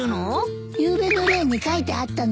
ゆうべのレイに書いてあったのよ。